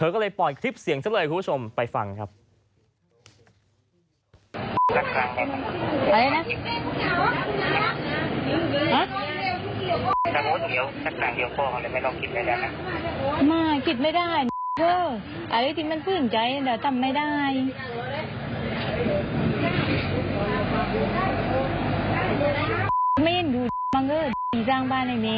ก็เลยปล่อยคลิปเสียงซะเลยคุณผู้ชมไปฟังครับ